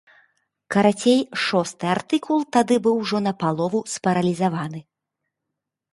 Карацей, шосты артыкул тады быў ўжо напалову спаралізаваны.